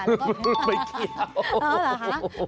ไม่เกี่ยว